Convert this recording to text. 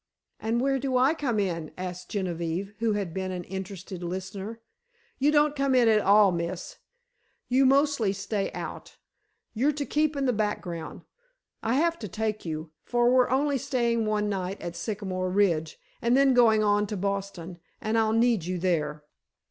"And where do I come in?" asked Genevieve, who had been an interested listener. "You don't come in at all, Miss. You mostly stay out. You're to keep in the background. I have to take you, for we're only staying one night at Sycamore Ridge, and then going on to Boston, and I'll need you there."